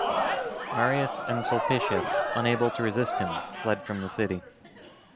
Marius and Sulpicius, unable to resist him, fled from the city.